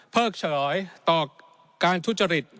เพิกเฉลอยต่อการทุจริต